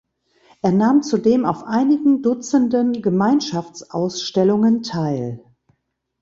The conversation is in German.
Er nahm zudem auf einigen Dutzenden Gemeinschaftsausstellungen teil.